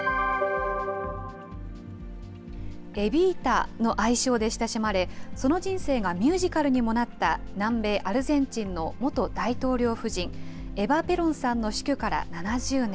エビータの愛称で親しまれその人生がミュージカルにもなった南米アルゼンチンの元大統領夫人エバ・ペロンさんの死去から７０年。